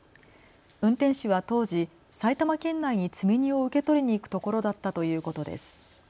運転手は当時、埼玉県内に積み荷を受け取りに行くところだったということです。